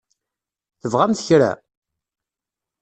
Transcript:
Tebɣamt kra?